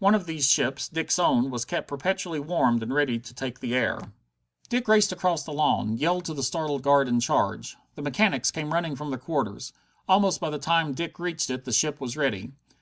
One of these ships, Dick's own, was kept perpetually warmed and ready to take the air. Dick raced across the lawn, yelled to the startled guard in charge. The mechanics came running from their quarters. Almost by the time Dick reached it the ship was ready.